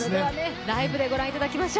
ライブでご覧いただきます。